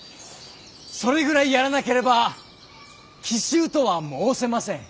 それぐらいやらなければ奇襲とは申せません。